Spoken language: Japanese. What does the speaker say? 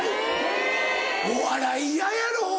お笑い嫌やろ！